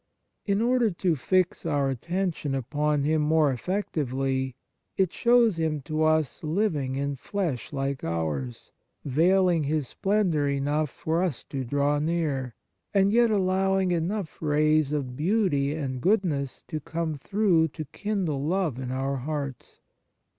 In order to fix our attention upon Him more effectively, it shows Him to us living in flesh like ours, veiling His splendour enough for us to draw near, and yet allowing enough rays of beauty and goodness to come through to kindle love in our hearts.